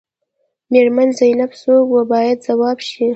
میرمن زینب څوک وه باید ځواب شي.